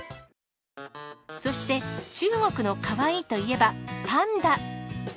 そして、中国のかわいいといえばパンダ。